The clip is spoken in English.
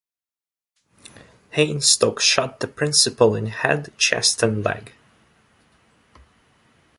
Hainstock shot the principal in head, chest, and leg.